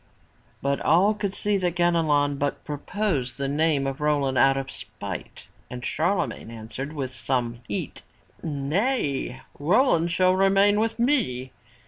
'' But all could see that Ganelon but proposed the name of Roland out of spite and Charlemagne answered with some heat, "Nay! Roland shall remain with me!''